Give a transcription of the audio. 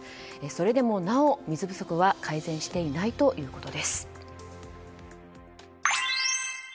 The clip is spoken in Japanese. それでもなお水不足は改善していないということです。